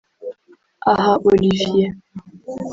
Aha Olivier